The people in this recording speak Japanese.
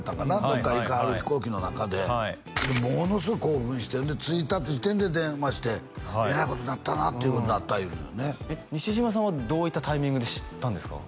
どっか行かはる飛行機の中ではいものすごい興奮して着いた時点で電話してえらいことなったなっていうことだった西島さんはどういったタイミングで知ったんですか？